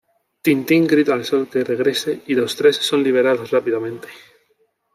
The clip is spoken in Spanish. Tintín grita al Sol que regrese y los tres son liberados rápidamente.